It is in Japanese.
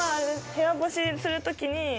部屋干しする時に。